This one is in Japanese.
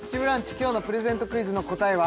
今日のプレゼントクイズの答えは？